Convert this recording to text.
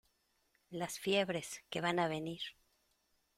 las fiebres, que van a venir.